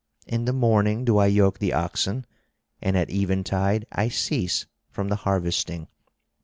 In the morning do I yoke the oxen, and at eventide I cease from the harvesting.